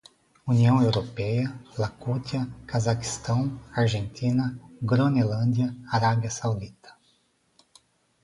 União Europeia, Iacútia, Cazaquistão, Argentina, Gronelândia, Arábia Saudita